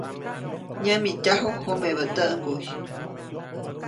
Nyämityaju jomebä täʼŋguy.